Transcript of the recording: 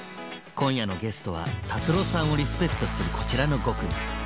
今夜のゲストは達郎さんをリスペクトするこちらの５組。